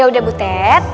ya udah butet